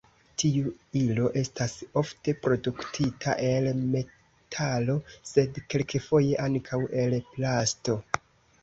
Tiu ilo estas ofte produktita el metalo, sed kelkfoje ankaŭ el plasto.